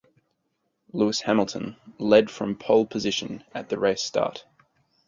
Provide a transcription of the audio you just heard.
Lewis Hamilton led from pole position at the race start.